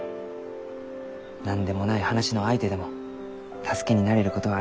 何でもない話の相手でも助けになれることがあるき。